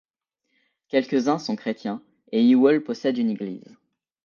Quelques-uns sont chrétiens et Iwol possède une église.